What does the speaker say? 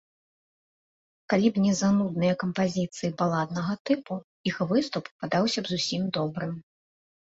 Калі б не занудныя кампазіцыі баладнага тыпу, іх выступ падаўся б зусім добрым.